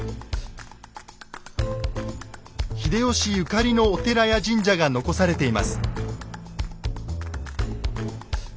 秀吉ゆかりのお寺や神社が残されています。